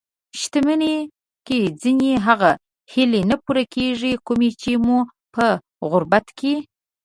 شتمني کې ځينې هغه هیلې نه پوره کېږي؛ کومې چې مو په غربت کې